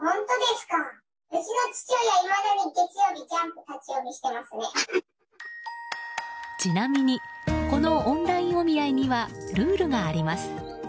ちなみにこのオンラインお見合いにはルールがあります。